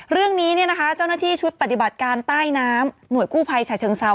เรื่องนี้เจ้านัทธีชุดปฏิบัติต้ายน้ำหน่วยกู้ภัยชาชน์เศร้า